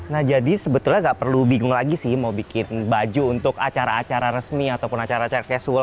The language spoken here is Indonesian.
nah jadi sebetulnya nggak perlu bingung lagi sih mau bikin baju untuk acara acara resmi ataupun acara acara casual